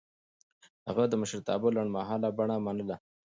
هغه د مشرتابه لنډمهاله بڼه منله.